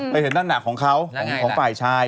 ไปเห็นนั่นน่ะของเขาของฝ่ายชาย